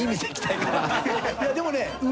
いやでもね。